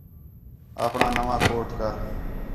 آپݨاں نَواں کوٹ کر